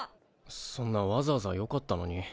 そんなわざわざよかったのに。